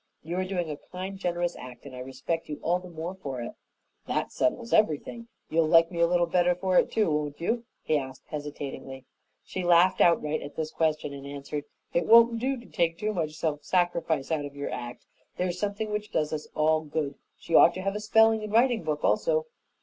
"You are doing a kind, generous act, and I respect you all the more for it." "That settles everything. You'll like me a little better for it, too, won't you?" he asked hesitatingly. She laughed outright at this question and answered, "It won't do to take too much self sacrifice out of your act. There's something which does us all good. She ought to have a spelling and a writing book also."